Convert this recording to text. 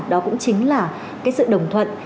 đó cũng chính là cái sự đồng thuận